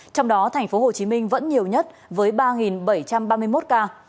trong đó thành phố hồ chí minh vẫn nhiều nhất với ba bảy trăm ba mươi một ca